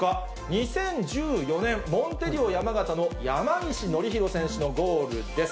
２０１４年、モンテディオ山形の山岸範宏選手のゴールです。